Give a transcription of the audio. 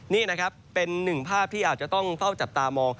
นี่นะครับเป็นหนึ่งภาพที่อาจจะต้องเฝ้าจับตามอง